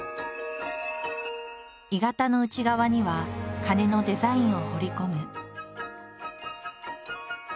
鋳型の内側には鐘のデザインを彫り込む。